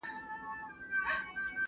ماشوم د خپل پلار په غېږ کې خوندي دی.